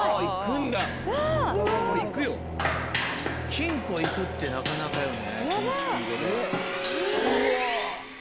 金庫行くってなかなかよね。